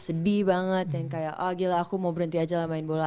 sedih banget yang kayak oh gila aku mau berhenti aja lah main bola